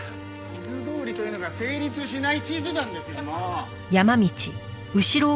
地図どおりというのが成立しない地図なんですよもう！